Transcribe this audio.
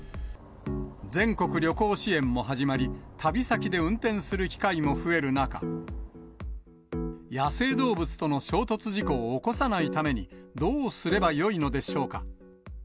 全国旅行支援も始まり、旅先で運転する機会も増える中、野生動物との衝突事故を起こさないために、どうすればよいのでしょうか。